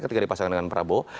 ketika dipasangkan dengan prabowo